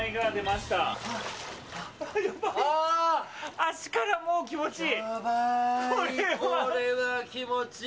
足から、もう気持ちいい！